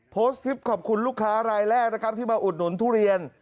โพสต์คลิปขอบคุณลูกค้ารายแรกนะครับที่มาอุดหนุนทุเรียน